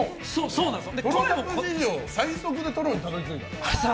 俺史上最速でトロにたどり着いた。